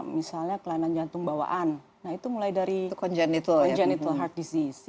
misalnya kelainan jantung bawaan nah itu mulai dari genetical heart disease